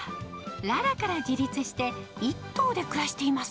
ララから自立して、１頭で暮らしています。